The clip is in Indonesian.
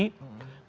kalau pilkada itu